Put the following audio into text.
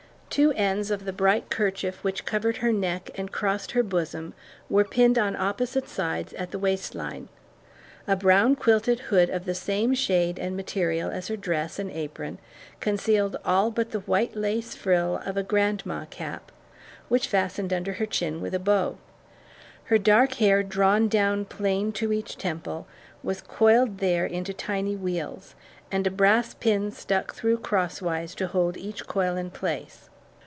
Two ends of the bright kerchief which covered her neck and crossed her bosom were pinned on opposite sides at the waist line. A brown quilted hood of the same shade and material as her dress and apron concealed all but the white lace frill of a "grandma cap," which fastened under her chin with a bow. Her dark hair drawn down plain to each temple was coiled there into tiny wheels, and a brass pin stuck through crosswise to hold each coil in place.